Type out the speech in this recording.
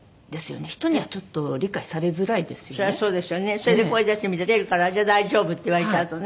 それで声出してみて出るからじゃあ大丈夫って言われちゃうとね。